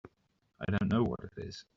I don't know what it is.